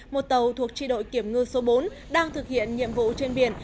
một tàu thuộc tri đội kiểm ngư số bốn đang thực hiện nhiệm vụ trên biển